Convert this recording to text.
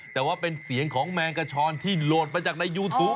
แต่ว่าเป็นเสียงของแมงกระชอนที่โหลดมาจากในยูทูป